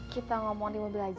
kita ngomong di mobil aja yuk